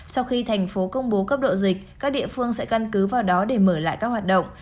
sau khi thành phố công bố cấp độ dịch các địa phương sẽ căn cứ vào đó để mở lại các hoạt động